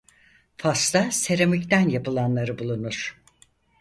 Fas'ta seramik'ten yapılanları bulunur.